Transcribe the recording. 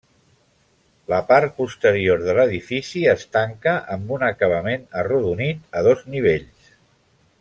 La part posterior de l'edifici es tanca amb un acabament arrodonit, a dos nivells.